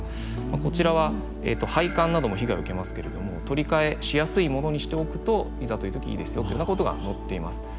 こちらは配管なども被害を受けますけれども取り替えしやすいものにしておくといざという時いいですよというようなことが載っています。